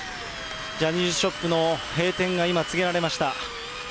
ジャニーズショップの閉店が今、告げられました。